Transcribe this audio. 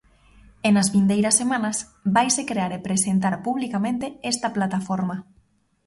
E nas vindeiras semanas vaise crear e presentar publicamente esta plataforma.